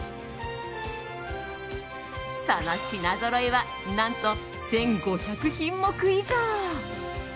その品ぞろえは何と１５００品目以上。